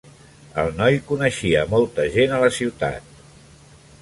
El noi coneixia molt gent a la ciutat.